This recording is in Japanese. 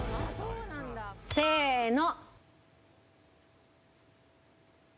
せーの！